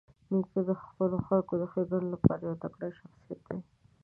نیکه د خپلو خلکو د ښېګڼې لپاره یو تکړه شخصیت دی.